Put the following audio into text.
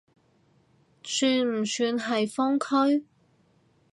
算唔算係封區？